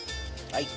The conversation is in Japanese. はい。